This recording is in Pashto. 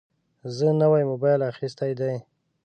زه نوی موبایل اخیستی دی.